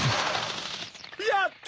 やった！